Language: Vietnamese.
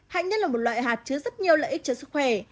hạnh nhất là một loại hạt chứa rất nhiều lợi ích cho sức khỏe